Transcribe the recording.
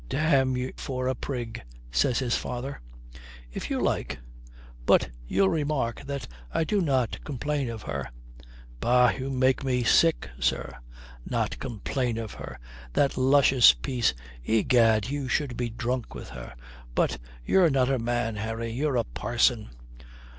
"Damn you for a prig," says his father. "If you like. But you'll remark that I do not complain of her." "Bah, you make me sick, sir! Not complain of her! That luscious piece! Egad, you should be drunk with her. But you're not a man, Harry, you're a parson."